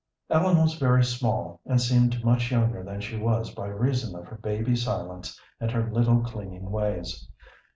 Ellen was very small, and seemed much younger than she was by reason of her baby silence and her little clinging ways.